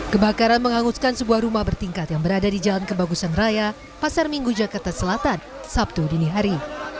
kebakaran menghanguskan sebuah rumah bertingkat yang berada di jalan kebagusan raya pasar minggu jakarta selatan sabtu dini hari